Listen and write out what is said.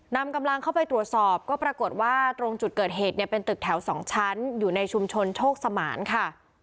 นำกำลังเข้าไปตรวจสอบก็ปรากฏว่าตรงจุดเกิดเหตุเนี่ยเป็นตึกแถว๒ชั้นอยู่ในชุมชนโชคสมานค่ะ